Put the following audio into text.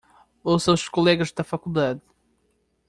Ouça os colegas da faculdade